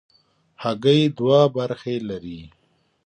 هګۍ دوه برخې لري.